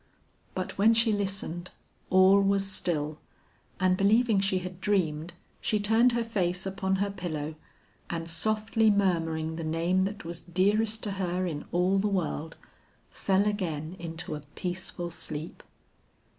But when she listened, all was still, and believing she had dreamed, she turned her face upon her pillow, and softly murmuring the name that was dearest to her in all the world, fell again into a peaceful sleep.